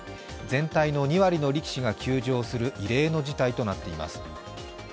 全体の２割の力士が休場する異例の事態となっています。